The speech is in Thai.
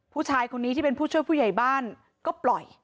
ผู้ชายคนนี้ที่เป็นผู้ช่วยผู้ใหญ่บ้านก็ปล่อย